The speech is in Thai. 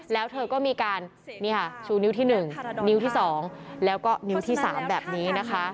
แล้วเธอก็มีการชูนิ้วที่๑นิ้วที่๒แล้วก็นิ้วที่๓แบบนี้นะคะ